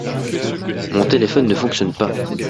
Mon téléphone ne fonctionne pas.